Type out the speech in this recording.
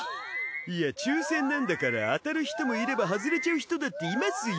いや抽選なんだから当たる人もいれば外れちゃう人だっていますよ。